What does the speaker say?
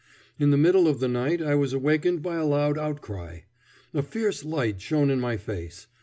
In the middle of the night I was awakened by a loud outcry. A fierce light shone in my face.